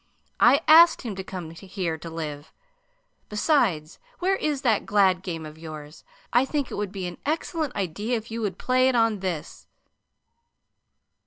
I asked him to come here to live. Besides, where is that glad game of yours? I think it would be an excellent idea if you would play it on this."